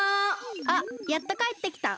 あっやっとかえってきた！